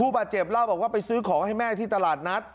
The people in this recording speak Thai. บาดเจ็บเล่าบอกว่าไปซื้อของให้แม่ที่ตลาดนัด